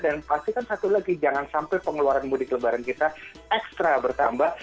dan pastikan satu lagi jangan sampai pengeluaran mudik lebaran kita ekstra bertambah